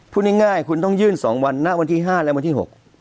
พูดง่ายคุณต้องยื่น๒วันณวันที่๕และวันที่๖